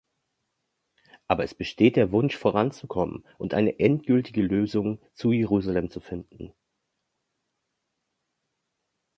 Aber es besteht der Wunsch, voranzukommen und eine endgültige Lösung zu Jerusalem zu finden.